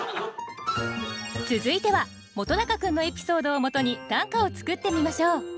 続いては本君のエピソードをもとに短歌を作ってみましょう。